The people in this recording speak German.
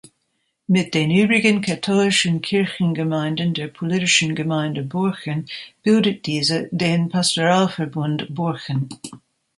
Mit den übrigen katholischen Kirchengemeinden der politischen Gemeinde Borchen bildet diese den Pastoralverbund Borchen.